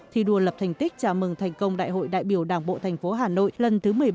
thi đua lập thành tích chào mừng thành công đại hội đại biểu đảng bộ thành phố hà nội lần thứ một mươi bảy